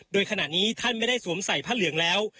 โดยขณะนี้ท่านไม่ได้สวมใส่ผ้าเหลืองแล้ว